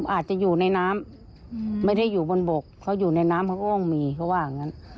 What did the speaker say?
อาจจะอยู่ในน้ำไม่ได้อยู่บนบกเขาอยู่ในน้ำเขาก็ต้องมีเขาว่าอย่างนั้น